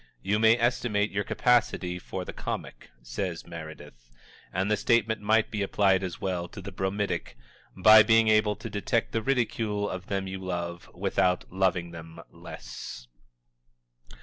"You may estimate your capacity for the Comic," says Meredith and the statement might be applied as well to the Bromidic "by being able to detect the ridicule of them you love, without loving them less."